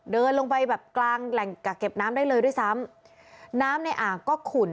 เดินลงไปแบบกลางแหล่งกักเก็บน้ำได้เลยด้วยซ้ำน้ำในอ่างก็ขุ่น